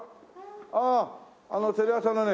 あああのテレ朝のね